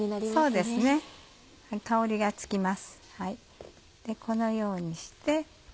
でこのようにして。